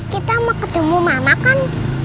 kita mau ketemu mama kan